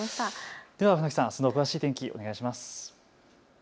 船木さん、あすの詳しい天気、お願いします。